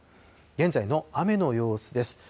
現在の雨の様子です。